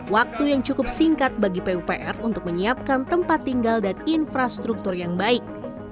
waktu yang cukup singkat bagi pupr untuk menyiapkan tempat tinggal dan infrastruktur yang baik